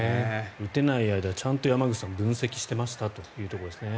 打てない間山口さんちゃんと分析していましたというところですね。